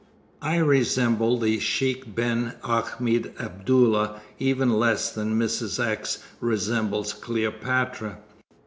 I resemble the Sheik Ben Ahmed Abdullah even less than Mrs. X resembles Cleopatra.